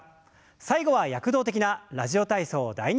最後は躍動的な「ラジオ体操第２」を行います。